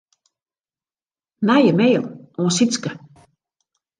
Nije mail oan Sytske.